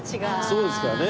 そうですかね。